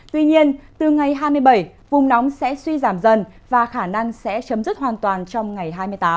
tuy nhiên từ ngày hai mươi bảy vùng nóng sẽ suy giảm dần và khả năng sẽ chấm dứt hoàn toàn trong ngày hai mươi tám